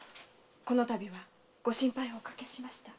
このたびはご心配をおかけしました。